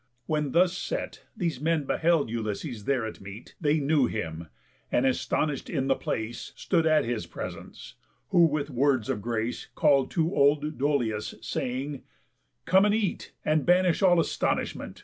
When thus set These men beheld Ulysses there at meat, They knew him, and astonish'd in the place Stood at his presence; who, with words of grace, Call'd to old Dolius, saying: "Come and eat, And banish all astonishment.